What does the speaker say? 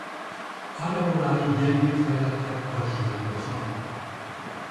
Areolái gyengén fejlettek vagy hiányoznak.